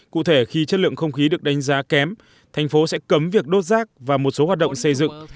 cụ thể khi chất lượng không khí được đánh giá kém thành phố sẽ cấm việc đốt rác và một số hoạt động xây dựng